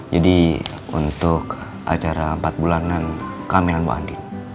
jadi untuk acara empat bulanan kamelan bu andin